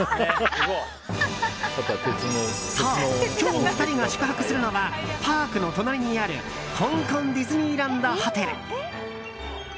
そう今日２人が宿泊するのはパークの隣にある香港ディズニーランド・ホテル。